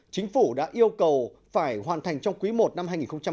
chính phủ đã yêu cầu phải hoàn thành trong quý i năm hai nghìn một mươi tám